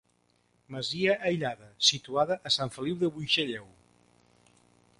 Masia aïllada, situada a Sant Feliu de Buixalleu.